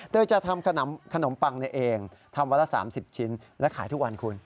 โดยจะทำขนมปังเองทำวันละ๓๐ชิ้นและขายทุกวันคุณ